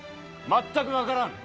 全く分からん！